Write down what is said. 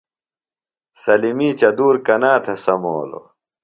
سلمی چدۡور کنا تھےۡ سمولو؟